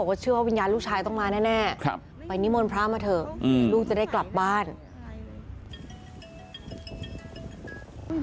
มันก็ว่าให้เราอะเขาบอกมาเชิญโดยยานน้อง